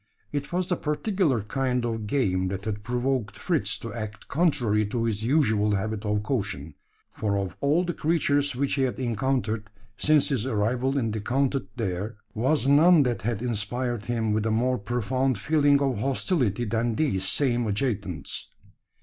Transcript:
It was the particular kind of game that had provoked Fritz to act contrary to his usual habit of caution; for of all the creatures which he had encountered, since his arrival in the counted there, was none that had inspired him with a more profound feeling of hostility than these same adjutants.